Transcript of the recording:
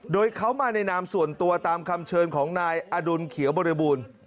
โดยเขามาในนามส่วนตัวตามคำเชิญของนายอดุลเขียวบริบูรณ์